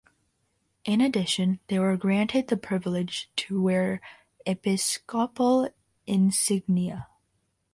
In addition they were granted the privilege to wear Episcopal Insignia.